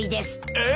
えっ！